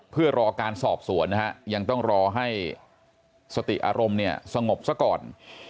เพื่อรอการสอบสวนนะฮะยังต้องรอให้สติอารมณ์เนี่ยสงบซะก่อน